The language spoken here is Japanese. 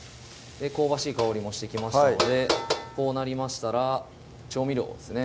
香ばしい香りもしてきましたのでこうなりましたら調味料ですね